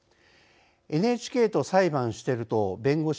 ＮＨＫと裁判している党弁護士